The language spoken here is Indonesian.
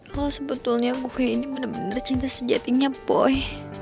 kalau sebetulnya gue ini bener bener cinta sejatinya boy